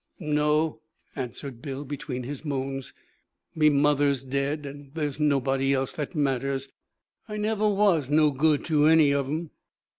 'No,' answered Bill between his moans. 'Me mother's dead, an' there's nobody else that matters. I never was no good to any of 'em.'